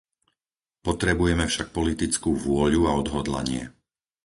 Potrebujeme však politickú vôľu a odhodlanie.